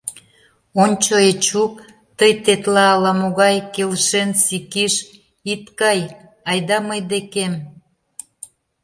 Ончо, Эчук, тый тетла ала-могай «келшен сикиш» ит кай, айда мый декем?